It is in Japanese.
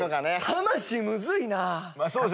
「魂」むずいな。